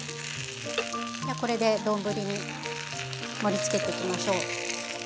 じゃあこれで丼に盛りつけていきましょう。